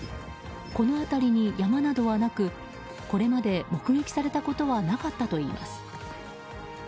この辺りに山などはなくこれまで目撃されたことはなかったといいます。